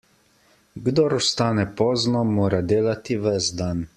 Kdor vstane pozno, mora delati ves dan.